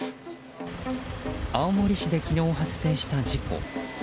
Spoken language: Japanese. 青森市で昨日発生した事故。